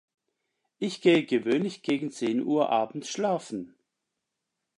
Ich gehe gewöhnlich gegen zehn Uhr abends schlafen.